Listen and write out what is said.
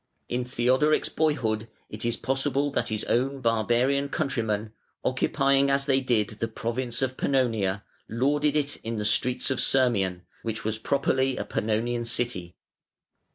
In Theodoric's boyhood it is possible that his own barbarian countrymen, occupying as they did the province of Pannonia, lorded it in the streets of Sirmium, which was properly a Pannonian city.